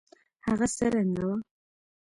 هغه څه رنګه وه.